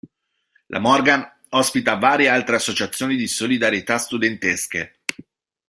La Morgan ospita varie altre associazioni di solidarietà studentesche.